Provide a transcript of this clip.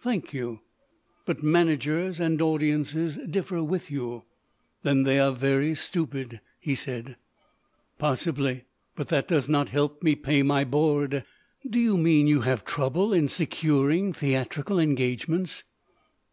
"Thank you. But managers and audiences differ with you." "Then they are very stupid," he said. "Possibly. But that does not help me pay my board." "Do you mean you have trouble in securing theatrical engagements?"